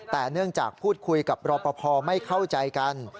แต่เนื่องจากพูดคุยกับรอปภไม่เข้าใจกัน